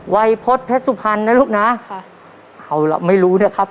วัยพจน์เพชรสุพรรณนะลูกน้าค่ะเอาล่ะไม่รู้เนี่ยครับ